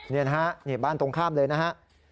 นี่นะฮะนี่บ้านตรงข้ามเลยนะฮะ